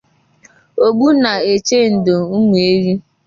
Ogbunaechendo Umueri